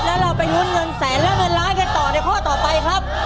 แล้วเราไปลุ้นเงินแสนและเงินล้านกันต่อในข้อต่อไปครับ